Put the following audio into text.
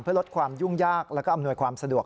เพื่อลดความยุ่งยากแล้วก็อำนวยความสะดวก